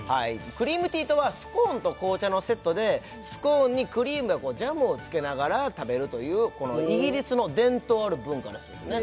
クリームティーとはスコーンと紅茶のセットでスコーンにクリームやジャムをつけながら食べるというイギリスの伝統ある文化らしいですね